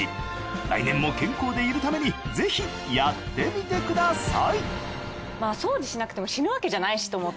来年も健康でいるためにぜひやってみてください